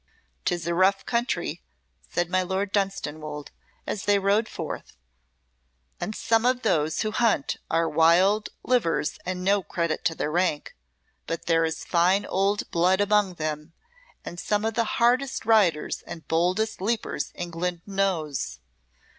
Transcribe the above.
"'Tis a rough country," said my Lord Dunstanwolde, as they rode forth, "and some of those who hunt are wild livers and no credit to their rank, but there is fine old blood among them, and some of the hardest riders and boldest leapers England knows."